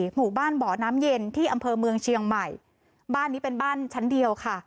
หมู่บ้านบ่อน้ำเย็นที่อำเภอเมืองเชียงใหม่บ้านนี้เป็นบ้านชั้นเดียวค่ะ